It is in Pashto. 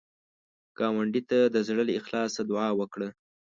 ګاونډي ته د زړه له اخلاص دعا وکړه